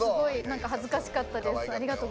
恥ずかしかったです。